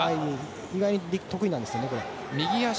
以外に得意なんですよね。